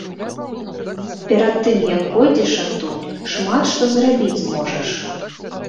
Перад тым, як пойдзеш адтуль, шмат што зрабіць зможаш.